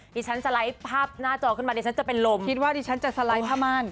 ดิฉันสไลด์ภาพหน้าจอขึ้นมาดิฉันจะเป็นโลงคิดว่าดิฉันจะสไลด์ผ้าม่าน